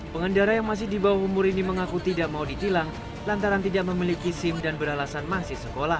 pengendara yang masih di bawah umur ini mengaku tidak mau ditilang lantaran tidak memiliki sim dan beralasan masih sekolah